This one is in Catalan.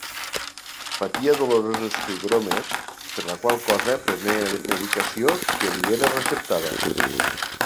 Patia dolorosos fibromes, per la qual cosa prenia medicació que li era receptada.